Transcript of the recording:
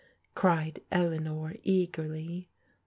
cried Eleanor eagerly.